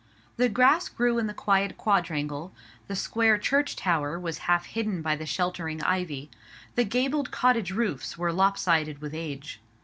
The grass grew in the quiet quadrangle; the square church tower was half hidden by the sheltering ivy; the gabled cottage roofs were lop sided with age.